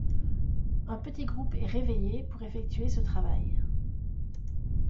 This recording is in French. Un petit groupe est réveillé pour effectuer ce travail.